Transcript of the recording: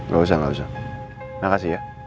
gak usah gak usah makasih ya